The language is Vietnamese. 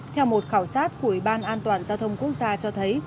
theo một khảo sát của ủy ban an toàn giao thông quốc gia cho thấy